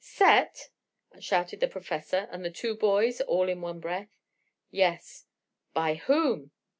"Set!" shouted the Professor and the two boys all in one breath. "Yes." "By whom?"